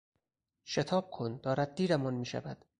شتاب کن دارد دیرمان میشود!